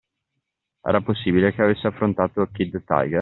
Era possibile che avesse affrontato Kid Tiger?